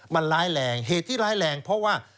มันร้ายแรงเหตุที่ร้ายแรงเพราะว่า